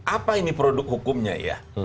apa ini produk hukumnya ya